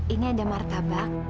ini ada martabak